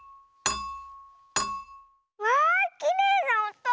わあきれいなおと。